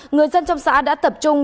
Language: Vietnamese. người dân trong xã đã tập trung